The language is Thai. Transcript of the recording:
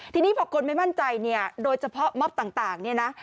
ทีนี้พอคนไม่มั่นใจเนี่ยโดยเฉพาะม็อบต่างเนี่ยนะ